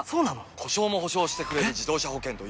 故障も補償してくれる自動車保険といえば？